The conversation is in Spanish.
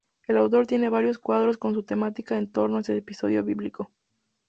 El autor tiene varios cuadros con su temática en torno a este episodio bíblico.